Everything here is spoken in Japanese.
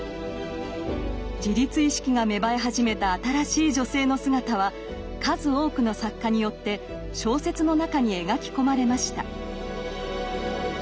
自立意識が芽生え始めた新しい女性の姿は数多くの作家によって小説の中に描き込まれました。